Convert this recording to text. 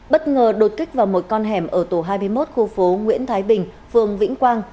bất ngờ đột kích vào một con hẻm ở tổ hai mươi một khu phố nguyễn thái bình phường vĩnh quang